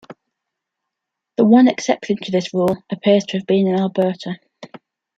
The one exception to this rule appears to have been in Alberta.